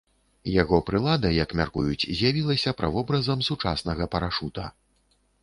Яго прылада, як мяркуюць, з'явілася правобразам сучаснага парашута.